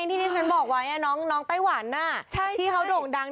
ที่นี่ฉันบอกไว้อ่ะน้องน้องไต้หวันน่ะใช่ที่เขาด่งดัง